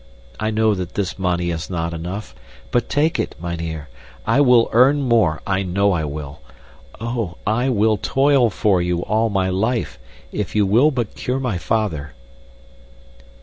I know that this money is not enough, but take it, mynheer. I will earn more, I know I will. Oh! I will toil for you all my life, if you will but cure my father!"